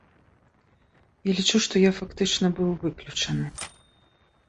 Я лічу, што я фактычна быў выключаны.